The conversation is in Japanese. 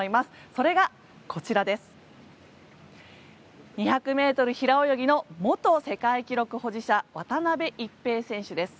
それが、２００ｍ平泳ぎの元世界記録保持者渡辺一平選手です。